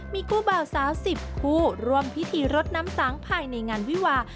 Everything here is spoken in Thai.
มีกู้เบาซ้า๑๐คู่รวมพิธีรถน้ำซ้างภายในงานวิวา